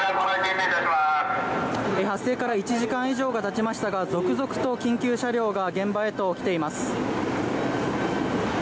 発生から１時間以上が経ちましたが続々と緊急車両が現場へと来ています。